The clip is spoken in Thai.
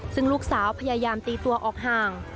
ซึ่งลูกสาวพยายามตีตัวออกห่าง